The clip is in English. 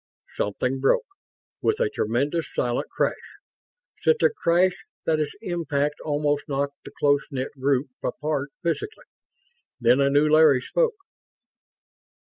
Something broke, with a tremendous silent crash. Such a crash that its impact almost knocked the close knit group apart physically. Then a new Larry spoke.